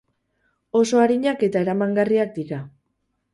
Oso arinak eta eramangarriak dira.